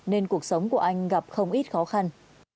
nên cuộc sống của anh gặp không ít khó khăn